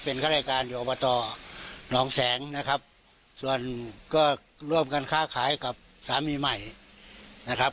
เป็นข้ารายการอยู่อบตหนองแสงนะครับส่วนก็ร่วมกันค้าขายกับสามีใหม่นะครับ